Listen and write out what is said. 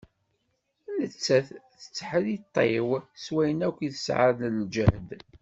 Nettat tetteḥriṭṭiw s wayen akk i tesɛa n lǧehd.